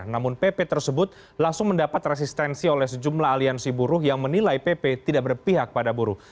namun pp tersebut langsung mendapat resistensi oleh sejumlah aliansi buruh yang menilai pp tidak berpihak pada buruh